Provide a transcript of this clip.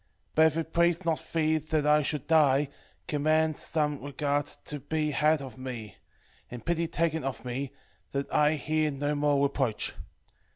but if it please not thee that I should die, command some regard to be had of me, and pity taken of me, that I hear no more reproach.